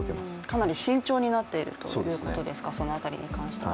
かなり慎重になっているということですか、その辺りに関しては。